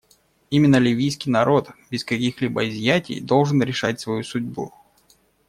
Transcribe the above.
Именно ливийский народ, без каких-либо изъятий, должен решать свою судьбу.